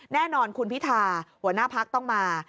แน่นอนคุณพิธาหัวหน้าพักต้องมา